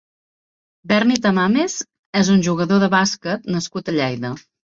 Berni Tamames és un jugador de bàsquet nascut a Lleida.